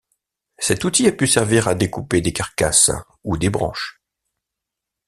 Cet outil a pu servir à découper des carcasses ou des branches.